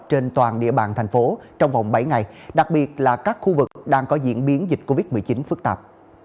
trên toàn địa bàn thành phố trong vòng bảy ngày đặc biệt là các khu vực đang có diễn biến dịch covid một mươi chín phức tạp